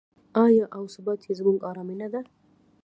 آیا او ثبات یې زموږ ارامي نه ده؟